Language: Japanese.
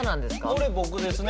これ僕ですね。